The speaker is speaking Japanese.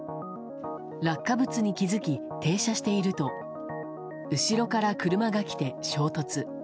落下物に気づき、停車していると後ろから車が来て、衝突。